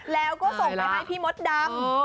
แล้วก็ส่งไปให้พี่มดดำ